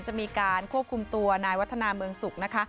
จะมีการควบคุมตัวนายวัฒนาเมืองสุขนะคะ